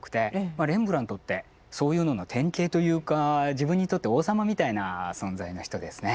レンブラントってそういうのの典型というか自分にとって王様みたいな存在の人ですね。